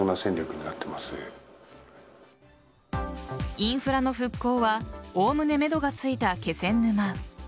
インフラの復興はおおむね、めどがついた気仙沼。